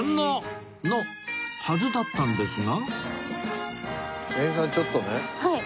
のはずだったんですが